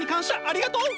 ありがとう！